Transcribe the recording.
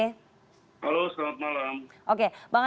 halo selamat malam